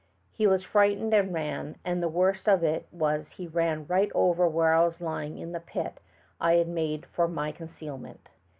He was frightened and ran, and the worst of it was he van right over where I was lying in the pit I had made for my concealment.